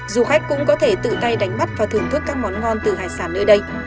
du khách cũng có thể tự tay đánh bắt và thưởng thức các món ngon từ hải sản nơi đây